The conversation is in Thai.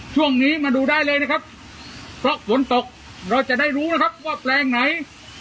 ช่วงนี้มาดูได้เลยนะครับเพราะฝนตกเราจะได้รู้นะครับว่าแปลงไหน